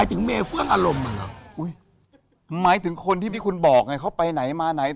อุ๊ยหมายถึงคนที่คุณบอกเขาไปไหนมาไหน